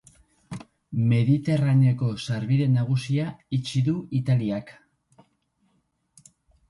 Mediterraneoko sarbide nagusia itxi du Italiak.